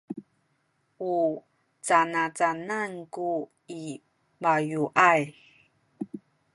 u canacanan ku i bayuay?